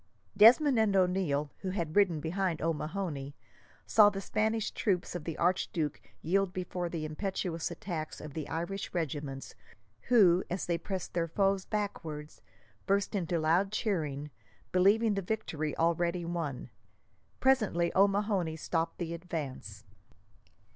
Desmond and O'Neil, who had ridden behind O'Mahony, saw the Spanish troops of the archduke yield before the impetuous attacks of the Irish regiments, who, as they pressed their foes backwards, burst into loud cheering, believing the victory already won. Presently, O'Mahony stopped the advance.